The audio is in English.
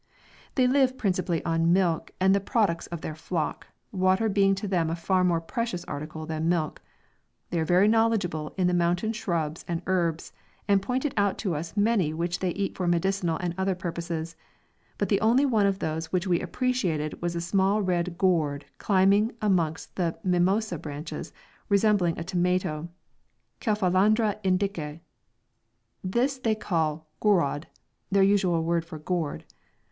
They live principally on milk and the products of their flocks, water being to them a far more precious article than milk. They are very knowledgeable in the mountain shrubs and herbs, and pointed out to us many which they eat for medicinal and other purposes; but the only one of these which we appreciated was a small red gourd climbing amongst the mimosa branches, resembling a tomato, Cephalandra Indica. This they call gourod, their usual word for gourd.